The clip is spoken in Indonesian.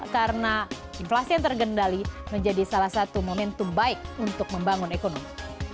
karena inflasi yang terkendali menjadi salah satu momentum baik untuk membangun ekonomi